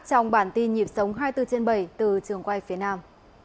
trong bản tin nhịp sống hai mươi bốn trên bảy từ trường quay phía nam